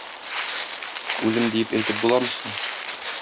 Үлем диеп әйтеп буламы соң